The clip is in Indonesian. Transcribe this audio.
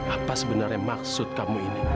apa sebenarnya maksud kamu ini